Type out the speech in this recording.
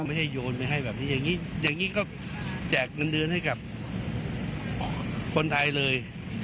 ไม่ให้โยนไม่ให้ตรงนี้ก็แจกการเดือนให้กับคนไทยเลย